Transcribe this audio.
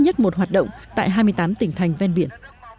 nhất một hoạt động tại hai mươi tám tỉnh thành ven biển